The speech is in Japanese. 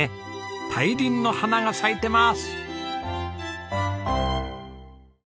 大輪の花が咲いてます！